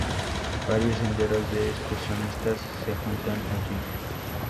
Varios senderos de excursionistas se juntan allí.